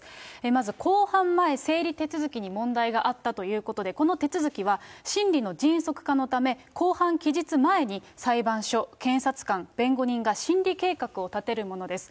まず公判前整理手続きに問題があったということで、この手続きは、審理の迅速化のため、公判期日前に裁判所、検察官、弁護人が審理計画を立てるものです。